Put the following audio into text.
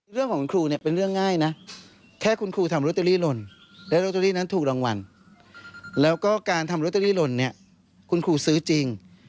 เรื่องของคุณครูเนี่ยเป็นเรื่องง่ายนะแค่คุณครูทำลอตเตอรี่หล่นและโรตเตอรี่นั้นถูกรางวัลแล้วก็การทำโรตเตอรี่หล่นเนี่ยคุณครูซื้อจริง